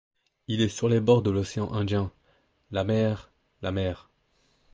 Il est sur les bords de l’océan Indien! « La mer ! la mer !